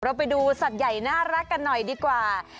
ไปดูสัตว์ใหญ่น่ารักกันหน่อยดีกว่า